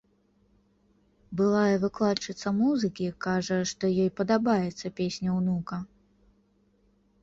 Былая выкладчыца музыкі кажа, што ёй падабаецца песня ўнука.